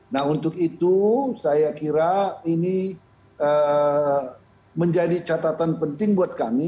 nah untuk itu saya kira ini menjadi catatan penting buat kami